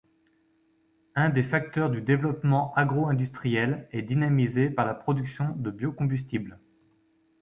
Un des facteurs du développement agroindustriel est dynamisé par la production de biocombustible.